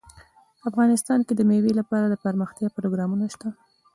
افغانستان کې د مېوې لپاره دپرمختیا پروګرامونه شته.